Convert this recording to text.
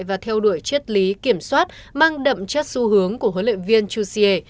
và theo đuổi chất lý kiểm soát mang đậm chất xu hướng của huấn luyện viên chu xie